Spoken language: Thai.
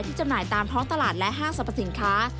จำหน่ายตามท้องตลาดและห้างสรรพสินค้า